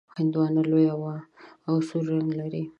هندواڼه لویه وي او سور رنګ لري.